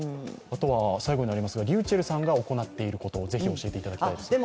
最後になりますが、ｒｙｕｃｈｅｌｌさんが行っていることをぜひ教えていただけますか。